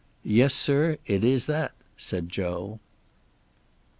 "Yes, sir. It is that," said Joe.